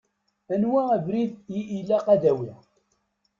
Anwa abrid i ilaq ad awiɣ?